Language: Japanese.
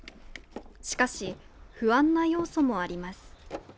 しかし、不安な要素もあります。